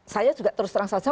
saya juga terus terang saja